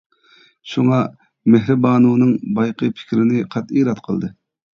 شۇڭا مېھرىبانۇنىڭ بايىقى پىكرىنى قەتئىي رەت قىلدى.